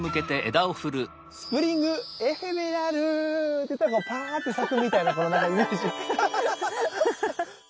「スプリング・エフェメラル」って言ったらもうパァって咲くみたいなこのイメージ。